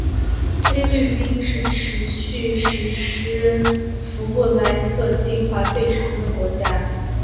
菲律宾是持续实施福布莱特计划最长的国家。